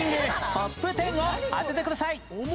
トップ１０を当ててください